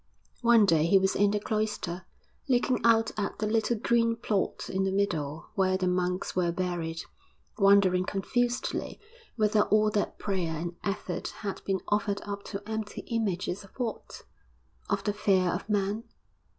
One day he was in the cloister, looking out at the little green plot in the middle where the monks were buried, wondering confusedly whether all that prayer and effort had been offered up to empty images of what of the fear of Man?